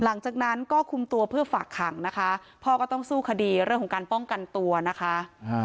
หลังจากนั้นก็คุมตัวเพื่อฝากขังนะคะพ่อก็ต้องสู้คดีเรื่องของการป้องกันตัวนะคะ